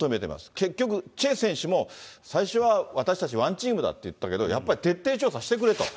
結局、チェ選手も最初はワンチームだと、言ってたんですが、やっぱり徹底調査してくれと。